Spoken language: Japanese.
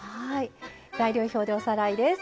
材料表でおさらいです。